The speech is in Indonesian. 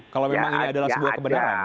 kalau memang ini adalah sebuah kebenaran